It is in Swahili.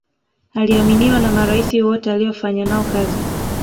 aliaminiwa na maraisi wote aliyofanya nao kazi